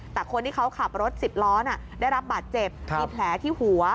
แต่คนที่เขาขับรถ๑๐ล้อได้รับบาดเจ็บมีแผลที่หัว